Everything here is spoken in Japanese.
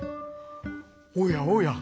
「おやおや。